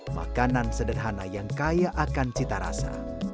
makanan sederhana yang kaya akan cita rasa